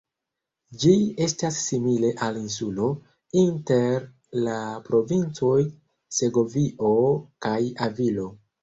Ĝi estas simile al insulo, inter la provincoj Segovio kaj Avilo.